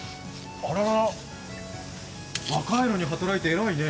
あららら、若いのに働いて、偉いね。